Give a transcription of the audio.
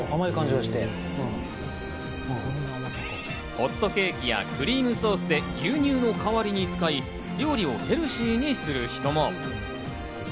ホットケーキやクリームソースで牛乳の代わりに使い料理をヘルシーにする人も。